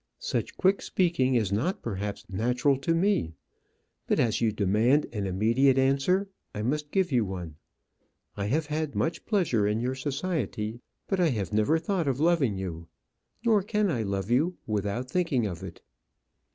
"Such quick speaking is not perhaps natural to me. But as you demand an immediate answer, I must give you one. I have had much pleasure in your society, but I have never thought of loving you. Nor can I love you without thinking of it."